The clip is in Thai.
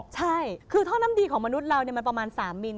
ใช่คือท่อน้ำดีของมนุษย์เรามันประมาณ๓มิล